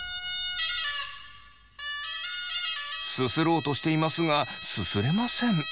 すすろうとしていますがすすれません。